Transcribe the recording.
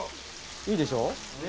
いいでしょ。